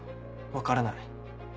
分からない。